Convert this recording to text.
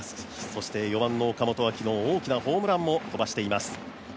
そして４番の岡本は昨日、大きなホームランを飛ばしています。